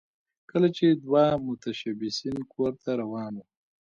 کله چې دوه متشبثین کور ته روان وو